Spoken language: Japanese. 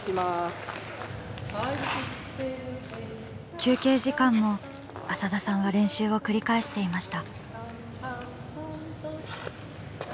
休憩時間も浅田さんは練習を繰り返していました。